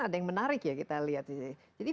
ada yang menarik ya kita lihat jadi